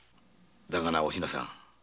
だがなお品さん